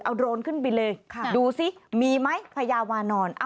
เอาโดรนขึ้นบินเลยดูสิมีไหมพญาวานอน